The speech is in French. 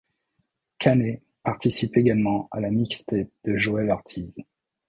Kane participe également à la mixtape de Joell Ortiz, '.